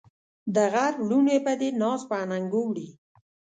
د غرب لوڼې به دې ناز په اننګو وړي